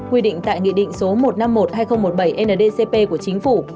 quy định tại nghị định số một trăm năm mươi một hai nghìn một mươi bảy ndcp của chính phủ